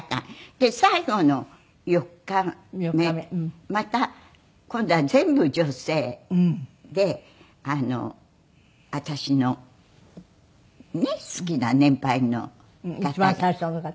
で最後の４日目また今度は全部女性で私の好きな年配の方が。一番最初の方。